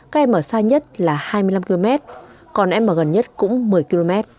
các em ở xa nhất là hai mươi năm km còn em ở gần nhất cũng một mươi km